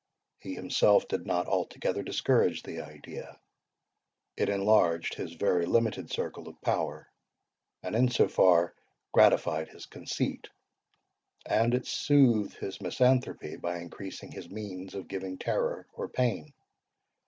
He himself did not altogether discourage the idea; it enlarged his very limited circle of power, and in so far gratified his conceit; and it soothed his misanthropy, by increasing his means of giving terror or pain.